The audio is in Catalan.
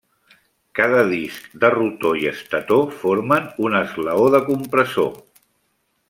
Cada disc de rotor i estator formen un esglaó de compressor.